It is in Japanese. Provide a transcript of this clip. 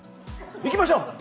行きましょう！